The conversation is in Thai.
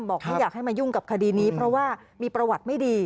ไม่อยากให้มายุ่งกับคดีนี้เพราะว่ามีประวัติไม่ดี